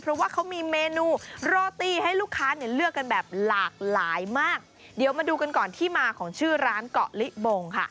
เพราะว่าเขามีเมนูโรตี้ให้ลูกค้าเนี่ยเลือกกันแบบหลากหลายมากเดี๋ยวมาดูกันก่อนที่มาของชื่อร้านเกาะลิบงค่ะ